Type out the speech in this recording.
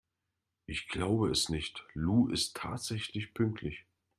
Ich glaube es nicht, Lou ist tatsächlich pünktlich!